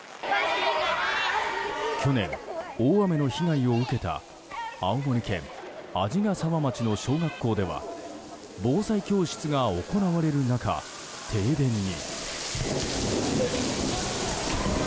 去年、大雨の被害を受けた青森県鰺ヶ沢町の小学校では防災教室が行われる中停電に。